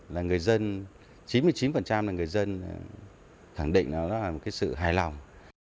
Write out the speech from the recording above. là người dân chín mươi chín là người dân thẳng định đó là một cái sự hài lòng